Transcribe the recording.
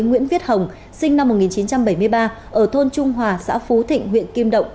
nguyễn viết hồng sinh năm một nghìn chín trăm bảy mươi ba ở thôn trung hòa xã phú thịnh huyện kim động